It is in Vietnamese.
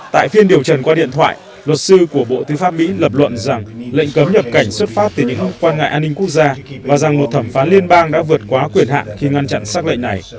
tại phiên điều trần qua điện thoại luật sư của bộ tư pháp mỹ lập luận rằng lệnh cấm nhập cảnh xuất phát từ những quan ngại an ninh quốc gia và rằng một thẩm phán liên bang đã vượt quá quyền hạn khi ngăn chặn xác lệnh này